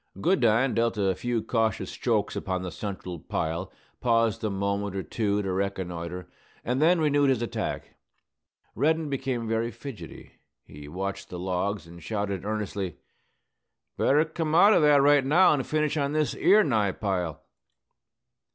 Goodine dealt a few cautious strokes upon the central pile, paused a moment or two to reconnoitre, and then renewed his attack. Reddin became very fidgety. He watched the logs, and shouted earnestly, "Better come out o' that right now and finish on this 'ere nigh pile."